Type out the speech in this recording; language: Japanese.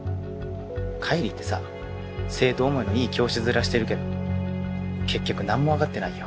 海里ってさ生徒思いのいい教師面してるけど結局何も分かってないよ！